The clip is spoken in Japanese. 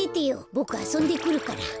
ボクあそんでくるから。